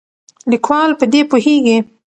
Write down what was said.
لیکوال په دې پوهیږي.